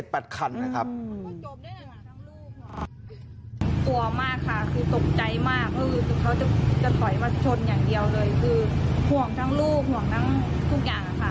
คือโจมได้นะคะทั้งลูก